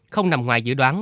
không nằm ngoài dự đoán